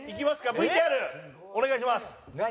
ＶＴＲお願いします。